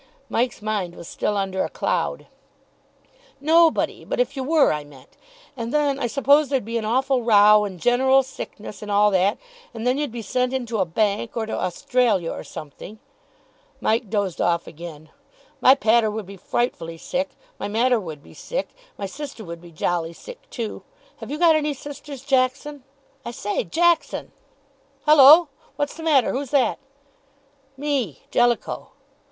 Mike's mind was still under a cloud. "Nobody. But if you were, I meant. And then I suppose there'd be an awful row and general sickness, and all that. And then you'd be sent into a bank, or to Australia, or something." Mike dozed off again. "My pater would be frightfully sick. My mater would be sick. My sister would be jolly sick, too. Have you got any sisters, Jackson? I say, Jackson!" "Hullo! What's the matter? Who's that?" "Me Jellicoe."